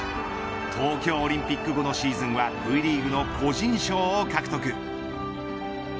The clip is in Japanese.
東京オリンピック後のシーズンはＶリーグの個人賞を獲得。